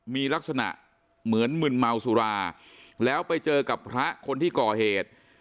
มีลักษณะเหมือนมึนเมาสุราแล้วไปเจอกับพระคนที่ก่อเหตุ